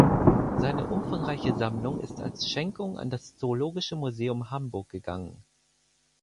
Seine umfangreiche Sammlung ist als Schenkung an das Zoologische Museum Hamburg gegangen.